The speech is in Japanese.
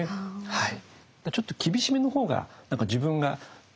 はい。